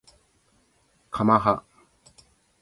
かまは